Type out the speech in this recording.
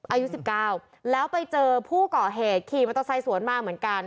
อายุ๑๙แล้วไปเจอผู้ก่อเหตุขี่มอเตอร์ไซค์สวนมาเหมือนกัน